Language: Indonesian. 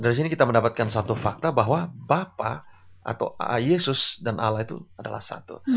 dari sini kita mendapatkan satu fakta bahwa bapak atau a yesus dan ala itu adalah satu